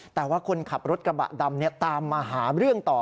แต่ว่าคนขับรถกระบะดำตามมาหาเรื่องต่อ